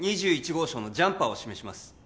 号証のジャンパーを示します